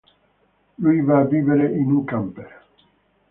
Lui va vivere in un camper.